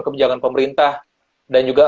kebijakan pemerintah dan juga